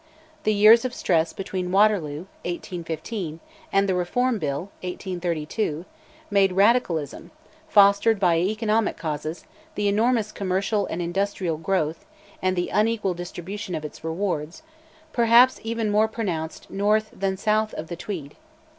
The years of stress between Waterloo (1815) and the Reform Bill (1832) made Radicalism (fostered by economic causes, the enormous commercial and industrial growth, and the unequal distribution of its rewards) perhaps even more pronounced north than south of the Tweed.